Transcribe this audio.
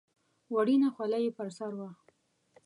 وړینه خولۍ یې پر سر وه.